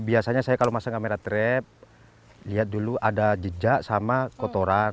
biasanya saya kalau masang kamera trap lihat dulu ada jejak sama kotoran